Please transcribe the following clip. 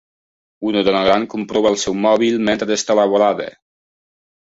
Una dona gran comprova el seu mòbil mentre està a la vorada.